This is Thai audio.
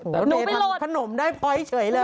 แต่เป็นขนมได้พอยท์เฉยเลย